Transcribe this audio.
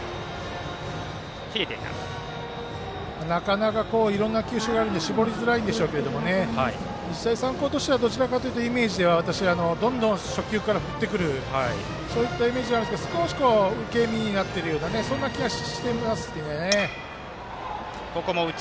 なかなか、いろいろな球種があるので絞りづらいんでしょうけど日大三高は、どちらかというとイメージでは私はどんどん初球から振ってくるイメージがあるんですが少し受け身になっている気がしますね。